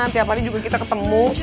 tiap hari juga kita ketemu